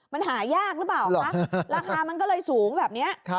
มันหายากหรือเปล่าคะราคามันก็เลยสูงแบบนี้